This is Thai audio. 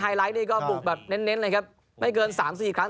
ไลท์นี่ก็บุกแบบเน้นเลยครับไม่เกิน๓๔ครั้ง